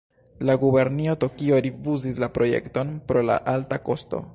La gubernio Tokio rifuzis la projekton pro la alta kosto.